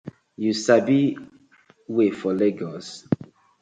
Yu sabi we for Legos?